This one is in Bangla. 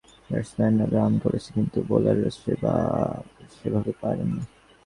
আবার পরের তিনটা ম্যাচে ব্যাটসম্যানরা রান করেছে কিন্তু বোলাররা সেভাবে পারেনি।